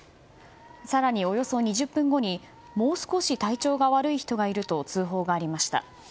更におよそ２０分後にもう少し体調が悪い人がいると通報がありました。